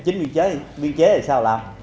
nói chín biên chế thì sao làm